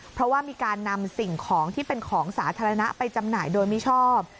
เพราะว่ามีการนำสิ่งของที่เป็นของสาธารณะไปจำหน่ายโดยมิชอบ